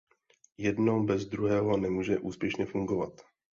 Jedno bez druhého nemůže úspěšně fungovat.